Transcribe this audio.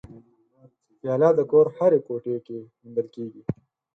پیاله د کور هرې کوټې کې موندل کېږي.